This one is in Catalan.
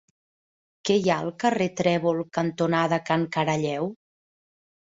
Què hi ha al carrer Trèvol cantonada Can Caralleu?